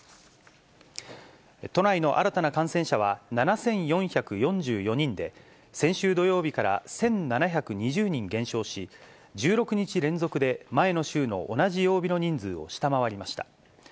都内の新たな感染者は７４４４人で、先週土曜日から１７２０人減少し、１６日連続で前の週の同じ曜日の人数を下回りました。